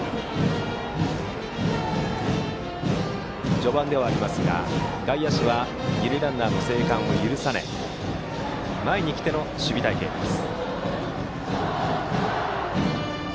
序盤ですが、外野手は二塁ランナーの生還を許さない前に来ての守備隊形です。